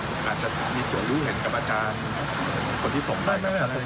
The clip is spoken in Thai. อาจจะมีส่วนรู้เห็นกับอาจารย์คนที่ส่งได้อะไร